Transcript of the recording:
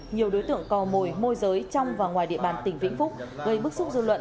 nhiều đối tượng cò mồi môi giới trong và ngoài địa bàn tỉnh vĩnh phúc gây bức xúc dư luận